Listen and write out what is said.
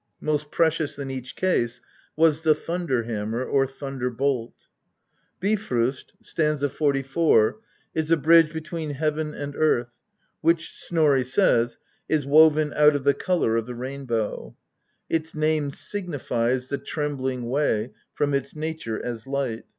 Most precious in each case was the thunder hammer or thunder bolt. Bifrost (st. 44) is a bridge between heaven and earth, which, Snorri says, is woven out of the colour of the rainbow. Its name signifies the " trembling way," from its nature as light.